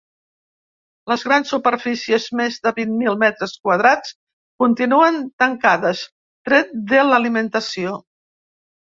Les grans superfícies –més de vint mil metres quadrats– continuen tancades, tret de l’alimentació.